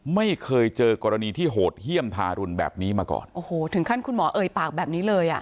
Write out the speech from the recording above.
ไม่เคยเจอกรณีที่โหดเยี่ยมทารุณแบบนี้มาก่อนโอ้โหถึงขั้นคุณหมอเอ่ยปากแบบนี้เลยอ่ะ